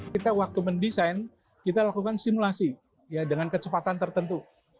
kita waktu mendesain kita lakukan simulasi dengan kecepatan tertentu